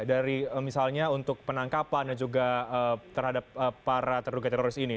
dari misalnya untuk penangkapan dan juga terhadap para terduga teroris ini